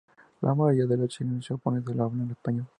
La mayoría de los chilenos japoneses sólo hablan español.